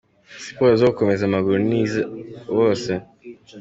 Siporo zo gukomeza amaguru ni iza bose.